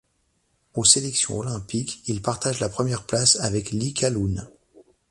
Aux sélections olympiques, il partage la première place avec Lee Calhoun.